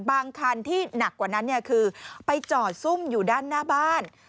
คันที่หนักกว่านั้นคือไปจอดซุ่มอยู่ด้านหน้าบ้าน